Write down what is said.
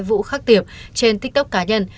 phu khắc tiệp trên tiktok cá nhân